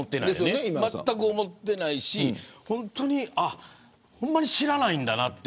まったく思っていないしほんまに知らないんだなと。